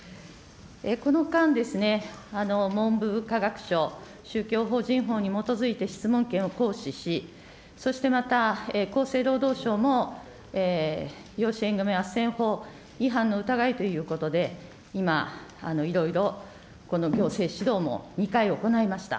この間ですね、文部科学省、宗教法人法に基づいて質問権を行使し、そしてまた厚生労働省も、養子縁組みあっせん法違反の疑いということで、今、いろいろ行政指導も２回行いました。